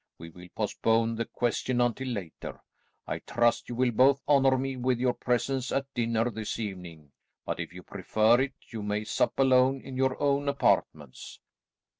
We will postpone the question until later. I trust you will both honour me with your presence at dinner this evening, but if you prefer it, you may sup alone in your own apartments."